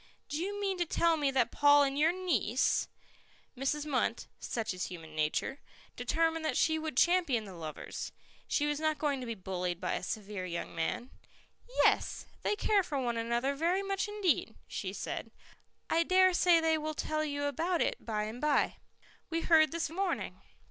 "Do you mean to tell me that Paul and your niece " Mrs. Munt such is human nature determined that she would champion the lovers. She was not going to be bullied by a severe young man. "Yes, they care for one another very much indeed," she said. "I dare say they will tell you about it by and by. We heard this morning."